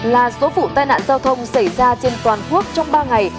sáu mươi một là số vụ tai nạn giao thông xảy ra trên toàn quốc trong ba ngày